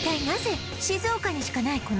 なぜ静岡にしかない